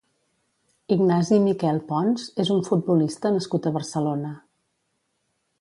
Ignasi Miquel Pons és un futbolista nascut a Barcelona.